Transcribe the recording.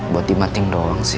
buat dimanting doang sih